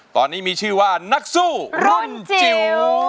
ตอนนี้มีชื่อว่านักสู้รุ่นจิ๋ว